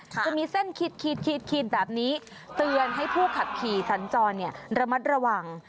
จะมีเส้นขีดแบบนี้เตือนให้ผู้ขับขี่สันจรระมัดระวัง